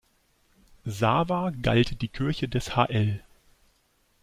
Sava galt die Kirche des hl.